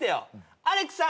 アレクさん